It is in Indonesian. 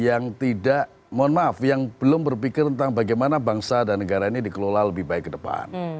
yang tidak mohon maaf yang belum berpikir tentang bagaimana bangsa dan negara ini dikelola lebih baik ke depan